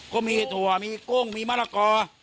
ก็มีถั่วมีกุ้งมีมะละกอ